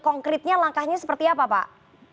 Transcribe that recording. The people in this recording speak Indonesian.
konkretnya langkahnya seperti apa pak